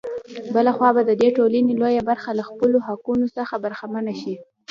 بـله خـوا بـه د دې ټـولـنې لـويه بـرخـه لـه خپـلـو حـقـونـو څـخـه بـرخـمـنـه شـي.